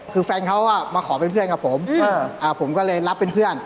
คือแฟนเขามาขอเป็นเพื่อนกับผมผมก็เลยรับเป็นเพื่อน